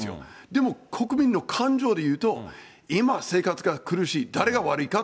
でも、国民の感情でいうと、今生活が苦しい、誰が悪いか？